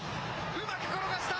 うまく転がした。